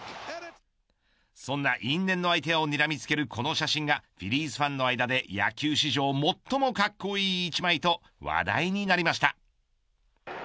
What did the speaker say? そんな因縁の相手をにらみつけるこの写真がフィリーズファンの間で野球史上最も格好いい一枚と話題になりました。